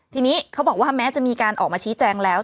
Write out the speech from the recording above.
ทีนี้เขาบอกว่าแม้จะมีการออกมาชี้แจงแล้ว